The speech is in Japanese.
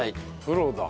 プロだ。